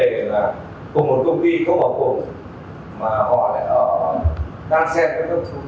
có nghĩa là họ cũng phải được tập huấn và họ tự đánh giá trước